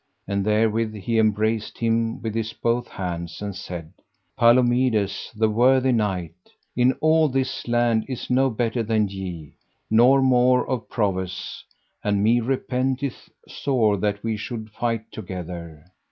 And therewith he embraced him with his both hands, and said: Palomides, the worthy knight, in all this land is no better than ye, nor more of prowess, and me repenteth sore that we should fight together.